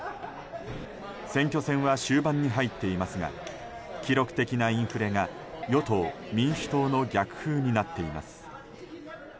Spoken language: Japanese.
選挙戦は終盤に入っていますが記録的なインフレが与党・民主党の逆風になっています。